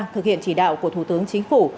thực hiện chỉ đạo của thủ tướng chính phủ